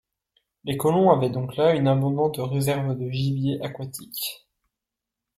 Les colons avaient donc là une abondante réserve de gibier aquatique.